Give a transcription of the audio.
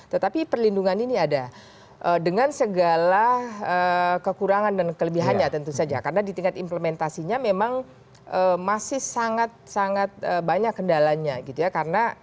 tetapi perlindungan ini ada dengan segala kekurangan dan kelebihannya tentu saja karena di tingkat implementasinya memang masih sangat sangat banyak kendalanya gitu ya